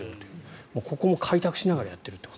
ここも開拓しながらやっていると。